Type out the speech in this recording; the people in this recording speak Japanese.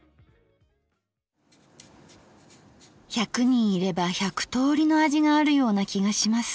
１００人いれば１００通りの味があるような気がします